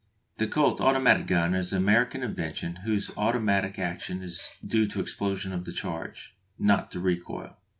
The Colt automatic gun is an American invention whose automatic action is due to explosion of the charge, not to recoil.